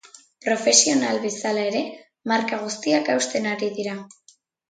Profesional bezala ere marka guztiak hausten ari da.